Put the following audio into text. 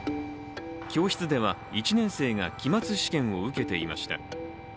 教室では１年生が期末試験を受けていました。